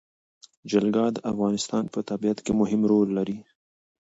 جلګه د افغانستان په طبیعت کې مهم رول لري.